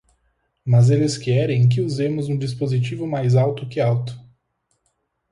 Mas eles querem que usemos um dispositivo mais alto que alto.